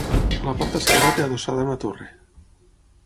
A la part esquerra té adossada una torre.